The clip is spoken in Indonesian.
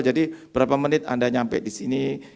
jadi berapa menit anda sampai di sini